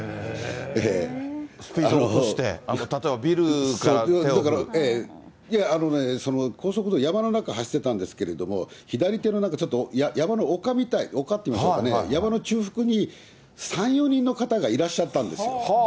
スピードを落として、高速道路、山の中、走ってたんですけれども、左手のちょっと、山の丘みたい、丘っていいますかね、山の中腹に３、４人の方がいらっしゃったんです。